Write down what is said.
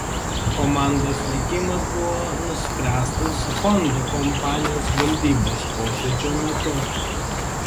Komandos likimas buvo nuspręstas Honda kompanijos valdybos posėdžio metu.